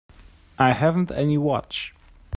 I haven't any watch.